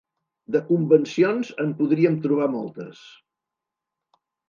De convencions en podríem trobar moltes.